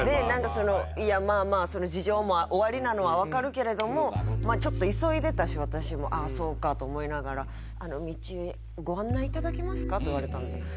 いやまあまあ事情もおありなのはわかるけれどもまあちょっと急いでたし私も「ああそうか」と思いながら「道ご案内頂けますか？」って言われたんですよ。